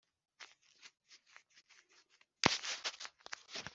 Ibijyanye n igenzuray imbere